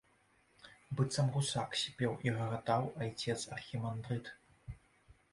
— быццам гусак, сіпеў і гагатаў айцец архімандрыт.